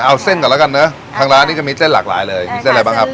เอาเส้นก่อนแล้วกันนะทางร้านนี้จะมีเส้นหลากหลายเลยมีเส้นอะไรบ้างครับ